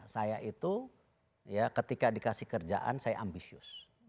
saya itu ya ketika dikasih kerjaan saya ambisius